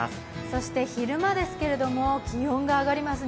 そして昼間ですけれども気温が上がります。